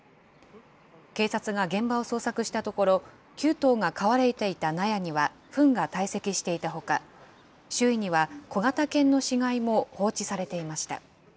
警察が現場を捜索したところ、９頭が飼われていた納屋には、ふんが堆積していたほか、周囲には小型犬の死骸も放置されていました。